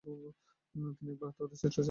তিনি একবার আত্মহত্যার চেষ্টা চালিয়েছিলেন।